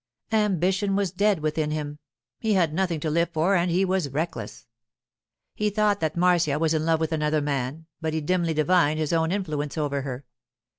Ambition was dead within him; he had nothing to live for and he was reckless. He thought that Marcia was in love with another man, but he dimly divined his own influence over her.